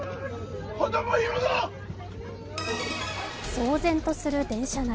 騒然とする電車内。